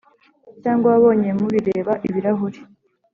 cyangwa wabonye mubireba-ibirahuri